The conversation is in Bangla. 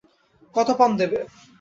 কত পণ দেবে?